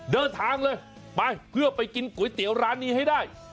เดินทางเลยไปเพื่อไปกินก๋วยเตี๋ยวร้านนี้ให้ได้